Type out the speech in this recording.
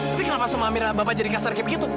tapi kenapa sama amira bapak jadi kasar kayak begitu